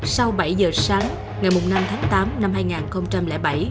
sau bảy giờ sáng ngày một mươi năm tháng tám năm hai nghìn bảy